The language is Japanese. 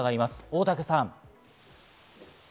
大竹さん。